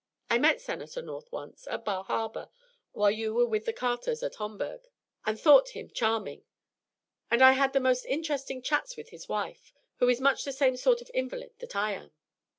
I met Senator North once at Bar Harbor, while you were with the Carters at Homburg and thought him charming; and I had some most interesting chats with his wife, who is much the same sort of invalid that I am.